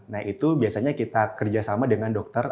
nah itu biasanya kita kerjasama dengan dokter